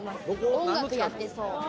音楽やってそう。